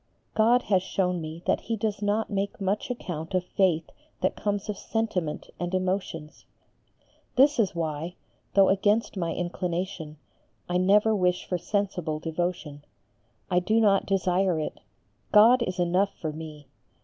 God has shown me that He does not make much account of faith that comes of sentiment and emotions. This is why, though against my inclination, I never wish for sensible devotion. I do not desire it. God is enough for me.